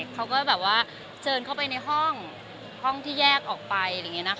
เขาก็แบบว่าเชิญเข้าไปในห้องที่แยกออกไป